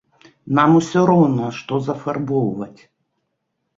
Нам усё роўна, што зафарбоўваць.